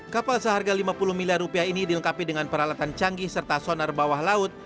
kapal seharga lima puluh miliar rupiah ini dilengkapi dengan peralatan canggih serta sonar bawah laut